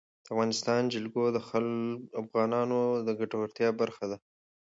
د افغانستان جلکو د افغانانو د ګټورتیا برخه ده.